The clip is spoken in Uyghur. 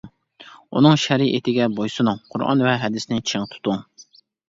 ئۇنىڭ شەرىئىتىگە بويسۇنۇڭ، قۇرئان ۋە ھەدىسنى چىڭ تۇتۇڭ.